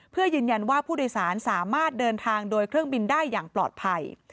เพื่อยืนยันว่าผู้โดยสารสามารถเดินทางโดยเครื่องบินได้อย่างปลอดภัย